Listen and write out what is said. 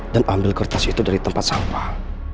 dan ambil kertas itu dari tempat sampah